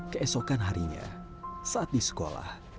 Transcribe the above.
keesokan harinya saat di sekolah